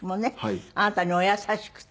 あなたにお優しくて。